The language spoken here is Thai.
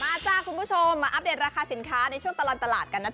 มาจากคุณผู้ชมปะอัพเดทราคาสินค้าในช่วงตลับสลัดกันนะ